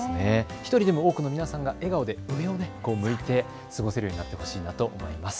１人でも多くの皆さんが笑顔で上を向いて過ごせるようになってほしいなと思います。